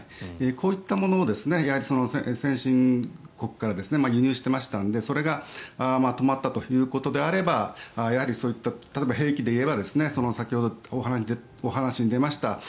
こういったものを先進国から輸入していましたのでそれが止まったということであればそういった、兵器で言えば先ほどお話に出ました